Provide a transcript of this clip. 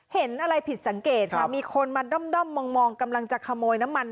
เห็นอะไรผิดสังเกตค่ะมีคนมาด้อมมองกำลังจะขโมยน้ำมัน